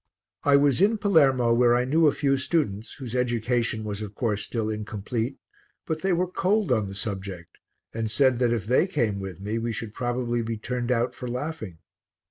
I was in Palermo where I knew a few students, whose education was of course still incomplete, but they were cold on the subject and said that if they came with me we should probably be turned out for laughing.